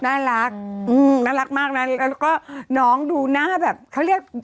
น่ารักอืมน่ารักมากนะแล้วก็น้องดูหน้าแบบเขาเรียก